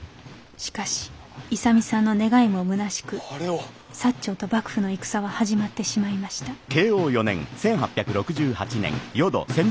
しかし勇さんの願いもむなしく長と幕府の戦は始まってしまいました錦の御旗？